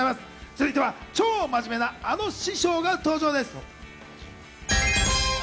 続いては超真面目なあの師匠が登場です。